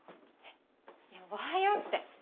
いや「おはよう」って。